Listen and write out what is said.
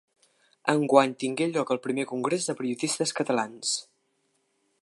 Enguany tingué lloc el primer Congrés de Periodistes Catalans.